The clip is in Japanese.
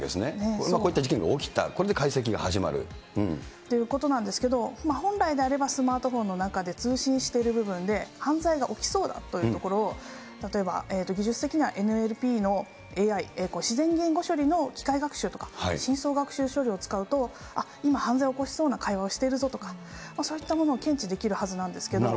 今こういった事件が起きた、ということなんですけど、本来であればスマートフォンの中で通信している部分で、犯罪が起きそうだというところを、例えば技術的にはＮＬＰのＡＩ、自然言語処理の機械学習とか、しんそう学習処理を使うと、あっ、今、犯罪起こしそうな会話をしてるぞとか、そういったものを検知できるはずなんですけど。